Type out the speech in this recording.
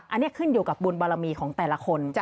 อันนี้ขึ้นอยู่กับบุญบารมีของแต่ละคน